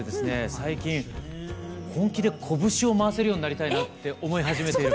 最近本気でこぶしを回せるようになりたいなって思い始めている。